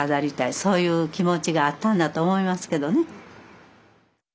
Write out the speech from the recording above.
そういう気持ちがあったんだと思いますけどね。